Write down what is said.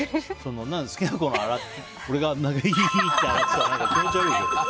何で好きな子のを俺が、イヒヒって洗ってたら気持ち悪いでしょ。